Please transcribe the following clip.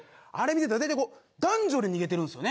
見てると大体こう男女で逃げてるんですよね。